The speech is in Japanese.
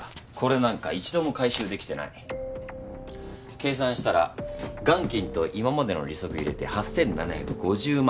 計算したら元金と今までの利息入れて８，７５０万